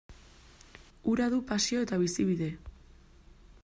Hura du pasio eta bizibide.